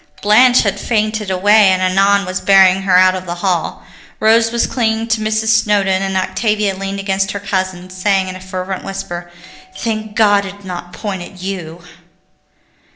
Blanche had fainted away and Annon was bearing her out of the hall. Rose was clinging to Mrs. Snowdon, and Octavia leaned against her cousin, saying in a fervent whisper, "Thank God it did not point at you!"